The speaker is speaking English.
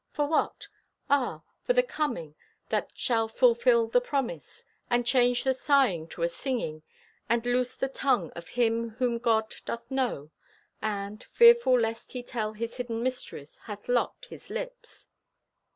For what? Ah, for that coming that shall fulfill the promise, and change the sighing to a singing, and loose the tongue of him whom God doth know and, fearful lest he tell His hidden mysteries, hath locked his lips."